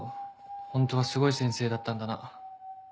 ホントはすごい先生だったんだな。